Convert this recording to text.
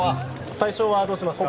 対象はどうしますか？